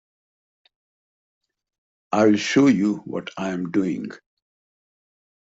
I'll show you what I'm doing.